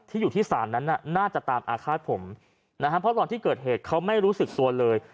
อยู่ที่ศาลนั้นน่ะน่าจะตามอาฆาตผมนะฮะเพราะตอนที่เกิดเหตุเขาไม่รู้สึกตัวเลย